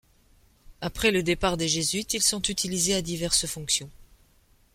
Après le départ des jésuites ils sont utilisés à diverses fonctions.